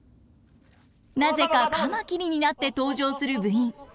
なぜかカマキリになって登場する部員。